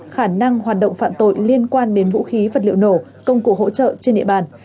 khả năng hoạt động phạm tội liên quan đến vũ khí vật liệu nổ công cụ hỗ trợ trên địa bàn